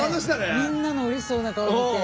みんなのうれしそうな顔見て。